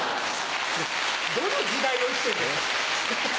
どの時代を生きてんですか。